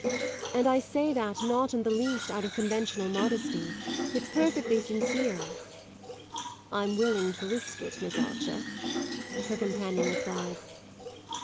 And I say that not in the least out of conventional modesty; it's perfectly sincere." "I'm willing to risk it, Miss Archer," her companion replied.